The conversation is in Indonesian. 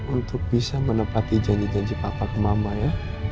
untuk bisa menepati janji janji papa ke mama ya